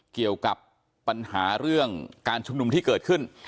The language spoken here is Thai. เกี่ยวกับปัญหาเรื่องการชุมนุมที่เกิดขึ้น